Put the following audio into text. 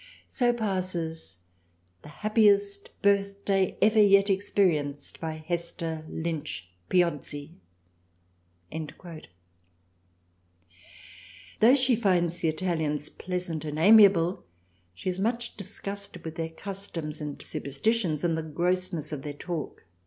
So passes the happiest Birthday ever yet ex perienced by Hester Lynch Piozzi." Though she finds the Italians pleasant and amiable, she is much disgusted with their customs & super stitions and the grossness of their talk.